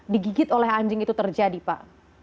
digigit oleh anjing itu terjadi pak